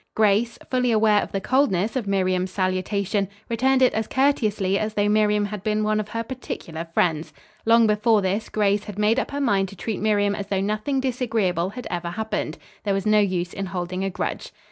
Grace, fully aware of the coldness of Miriam's salutation, returned it as courteously as though Miriam had been one of her particular friends. Long before this Grace had made up her mind to treat Miriam as though nothing disagreeable had ever happened. There was no use in holding a grudge.